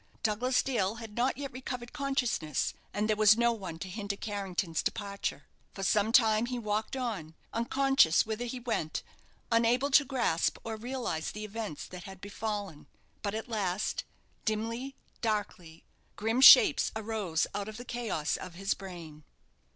Douglas Dale had not yet recovered consciousness, and there was no one to hinder Carrington's departure. For some time he walked on, unconscious whither he went, unable to grasp or realize the events that had befallen. But at last dimly, darkly, grim shapes arose out of the chaos of his brain.